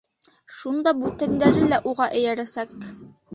Шунда бүтәндәре лә уға эйәрәсәк.